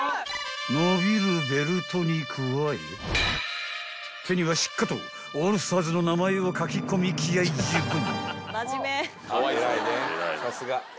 ［伸びるベルトに加え手にはしっかとオールスターズの名前を書き込み気合十分］